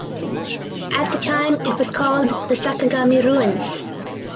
At the time it was called the "Sakagami Ruins".